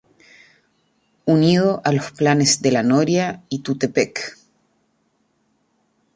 Unido a los planes de La Noria y Tuxtepec.